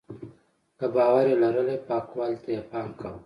که باور یې لرلی پاکوالي ته یې پام کاوه.